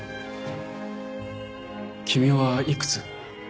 君はいくつ？